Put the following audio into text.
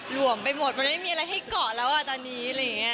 หลวมไปหมดมันไม่มีอะไรให้เกาะแล้วอะตอนนี้